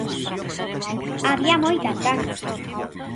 Había moitas ganas.